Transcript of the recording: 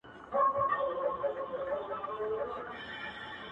د واه - واه يې باندي جوړ كړل بارانونه-